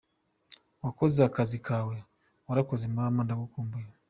Wakoze akazi kawe, warakoze mama, ndagukumbuye.